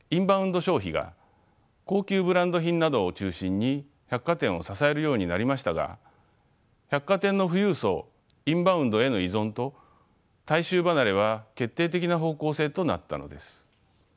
消費が高級ブランド品などを中心に百貨店を支えるようになりましたが百貨店の富裕層インバウンドへの依存と大衆離れは決定的な方向性となったのです。